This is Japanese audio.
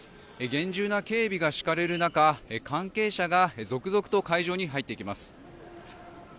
厳重な警備が敷かれる中関係者が続々と会場に入っていきます。